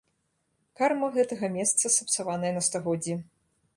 Карма гэтага месца сапсаваная на стагоддзі.